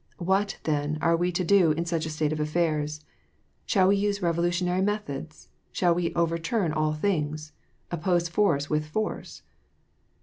What, then, are we to do in such a state of affairs ? Shall we use revolutionary methods ? Shall we overturn all things ? Oppose force with force